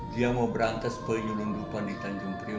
dia mau berantas penyelundupan di tanjung priok